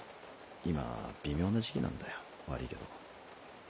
今微妙な時期なんだよ悪いけど。